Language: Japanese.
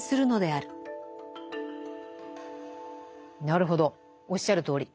なるほどおっしゃるとおり。